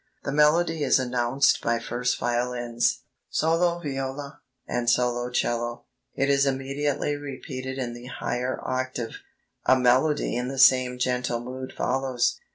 The melody is announced by first violins, solo viola, and solo 'cello. It is immediately repeated in the higher octave.... A melody in the same gentle mood follows."